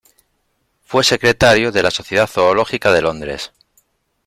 Fue secretario de la Sociedad Zoológica de Londres.